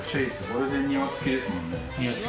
これで庭付きですもんね。